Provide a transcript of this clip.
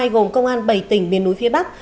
gồm công an bảy tỉnh miền núi phía bắc